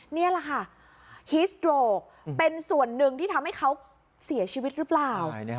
นี่แหละค่ะฮิสโตรกเป็นส่วนหนึ่งที่ทำให้เขาเสียชีวิตหรือเปล่า